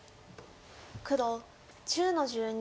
黒１０の十二。